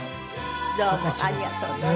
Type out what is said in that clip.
どうもありがとう存じました。